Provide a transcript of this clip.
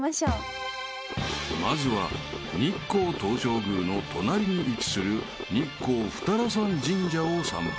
［まずは日光東照宮の隣に位置する日光二荒山神社を参拝］